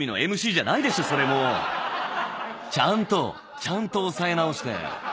ちゃんとちゃんと押さえ直して。